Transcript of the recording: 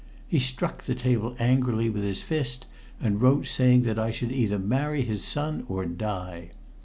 He struck the table angrily with his fist and wrote saying that I should either marry his son or die.